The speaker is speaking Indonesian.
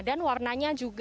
dan warnanya juga